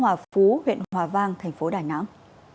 hòa phú huyện hòa vang thành phố đài nẵng